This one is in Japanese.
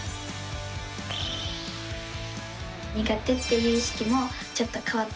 苦手っていう意識もちょっと変わったのかなと。